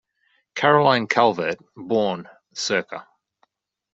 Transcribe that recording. Caroline Calvert, born circa.